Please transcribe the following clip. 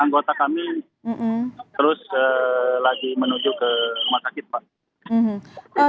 anggota kami terus lagi menuju ke rumah sakit pak